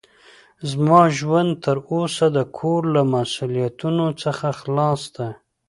زما ژوند تر اوسه د کور له مسوؤليتونو څخه خلاص ده.